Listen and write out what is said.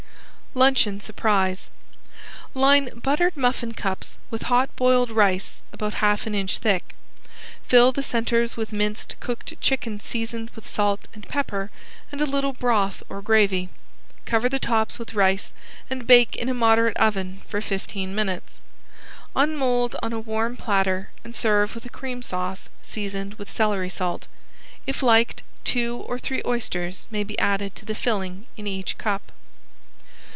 ~LUNCHEON SURPRISE~ Line buttered muffin cups with hot boiled rice about half an inch thick. Fill the centers with minced cooked chicken seasoned with salt and pepper and a little broth or gravy. Cover the tops with rice and bake in a moderate oven for fifteen minutes. Unmold on a warm platter and serve with a cream sauce seasoned with celery salt. If liked, two or three oysters may be added to the filling in each cup.